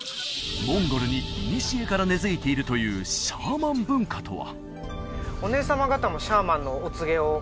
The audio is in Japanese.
モンゴルにいにしえから根づいているというシャーマン文化とは？